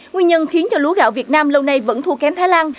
nguyên nhân khiến cho lúa gạo việt nam lâu nay vẫn thua kém thái lan